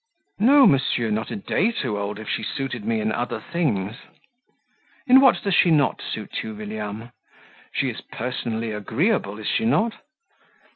"No, monsieur, not a day too old if she suited me in other things." "In what does she not suit you, William? She is personally agreeable, is she not?"